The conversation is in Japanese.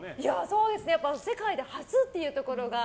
世界で初というところが。